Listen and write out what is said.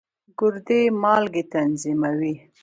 ګردې مالګې تنظیموي.